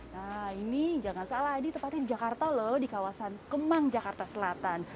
nah ini jangan salah ini tepatnya di jakarta loh di kawasan kemang jakarta selatan